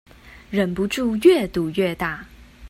忍不住越賭越大